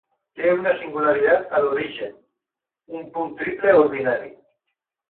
Té una singularitat a l'origen, un punt triple ordinari.